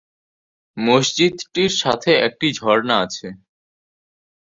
মসজিদটির সাথে একটি ঝর্ণা আছে।